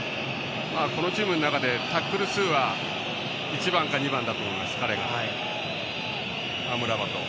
このチームの中でタックル数は１番か２番だと思いますアムラバト。